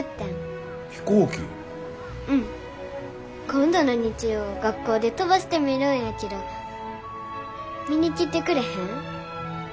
今度の日曜学校で飛ばしてみるんやけど見に来てくれへん？